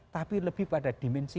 tapi lebih pada dimensi